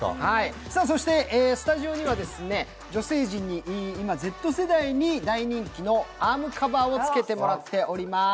そしてスタジオには女性陣に、今Ｚ世代に大人気のアームカバーをつけてもらっています。